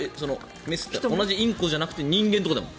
同じインコじゃなくて人間とかでも？